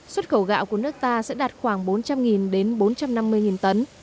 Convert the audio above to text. xuất khẩu gạo của nước ta sẽ đạt khoảng bốn trăm linh bốn trăm linh tấn